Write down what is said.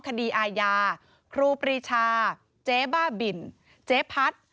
คดีอาญาครูปรีชาเจ๊บ้าบินเจ๊พัด